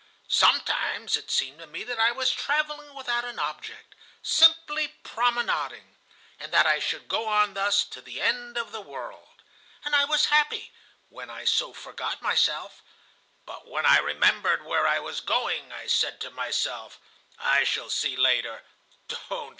Sometimes it seemed to me that I was travelling without an object,—simply promenading,—and that I should go on thus to the end of the world. And I was happy when I so forgot myself. But when I remembered where I was going, I said to myself: 'I shall see later.